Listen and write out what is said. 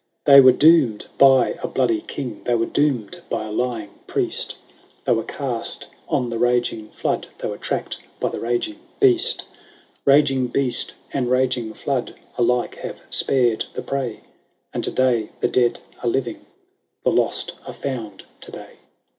IV. They were doomed by a bloody king : They were doomed by a lying priest They were cast on the raging flood : They were tracked by the raging beast : Kaging beast and raging flood Alike have spared the prey ; And to day the dead are living : The lost are found to day. Y.